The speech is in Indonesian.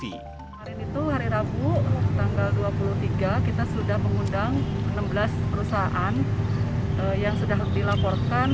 kemarin itu hari rabu tanggal dua puluh tiga kita sudah mengundang enam belas perusahaan yang sudah dilaporkan